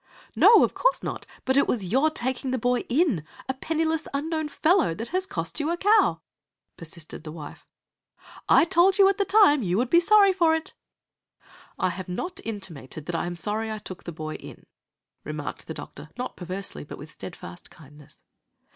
"No, of course not. But it was your taking the boy in, a penniless, unknown fellow, that has cost you a cow," persisted the wife. "I told you at the time you would be sorry for it." "I have not intimated that I am sorry I took the boy in," remarked the doctor, not perversely, but with steadfast kindness.